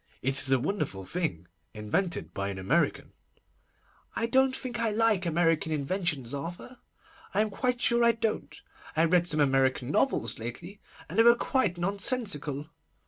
'It is a wonderful thing, invented by an American.' 'I don't think I like American inventions, Arthur. I am quite sure I don't. I read some American novels lately, and they were quite nonsensical.